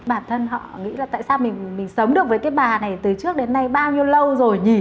bản thân họ nghĩ là tại sao mình sống được với cái bà này từ trước đến nay bao nhiêu lâu rồi nhỉ